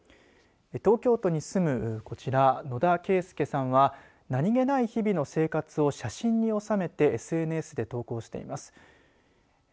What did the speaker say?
東京都に住むこちら野田渓介さんは何気ない日々の生活を写真に収めてＳＮＳで投稿しています。